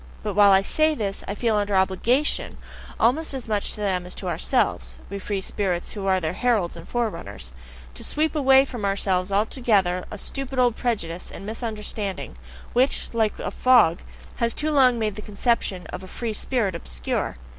But while I say this, I feel under OBLIGATION almost as much to them as to ourselves (we free spirits who are their heralds and forerunners), to sweep away from ourselves altogether a stupid old prejudice and misunderstanding, which, like a fog, has too long made the conception of "free spirit" obscure.